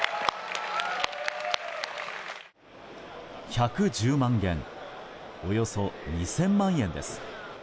１１０万元およそ２０００万円です。